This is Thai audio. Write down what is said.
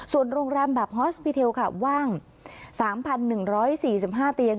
ส่วนโรงแรมแบบฮอสปีเทลค่ะว่าง๓๑๔๕เตียง